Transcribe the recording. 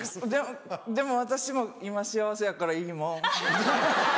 でも私も今幸せやからいいもん。